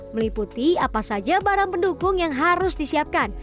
meliputi apa saja barang pendukung yang harus disiapkan